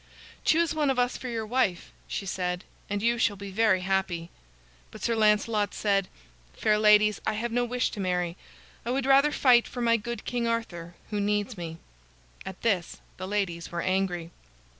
"Choose one of us for your wife," she said, "and you shall be very happy." But Sir Lancelot said: "Fair ladies, I have no wish to marry. I would rather fight for my good King Arthur who needs me." At this the ladies were angry.